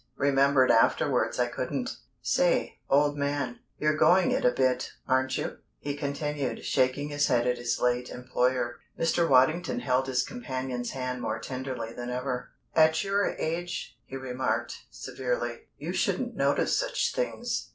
Remembered afterwards I couldn't. Say, old man, you're going it a bit, aren't you?" he continued, shaking his head at his late employer. Mr. Waddington held his companion's hand more tenderly than ever. "At your age," he remarked, severely, "you shouldn't notice such things.